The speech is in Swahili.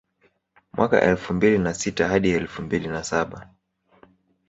Mwaka elfu mbili na sita hadi elfu mbili na saba